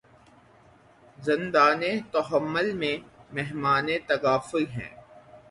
زندانِ تحمل میں مہمانِ تغافل ہیں